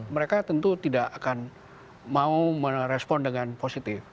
mereka tentu tidak akan mau merespon dengan positif